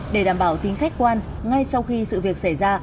để đảm bảo tính khách quan ngay sau khi sự việc xảy ra